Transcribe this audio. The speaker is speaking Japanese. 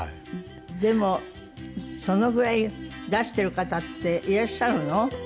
でもそのぐらい出してる方っていらっしゃるの？